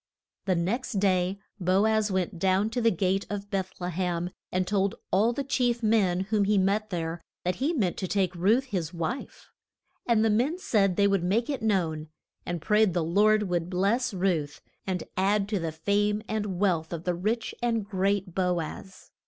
The next day Bo az went down to the gate of Beth le hem, and told all the chief men whom he met there that he meant to make Ruth his wife. And the men said they would make it known, and prayed the Lord would bless Ruth and add to the fame and wealth of the rich and great Bo az.